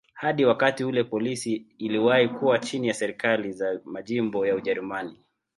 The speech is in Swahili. Hadi wakati ule polisi iliwahi kuwa chini ya serikali za majimbo ya Ujerumani.